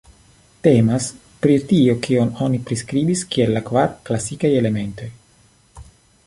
Temas pri tio, kion oni priskribis kiel la kvar klasikaj elementoj.